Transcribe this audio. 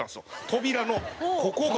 扉のここが。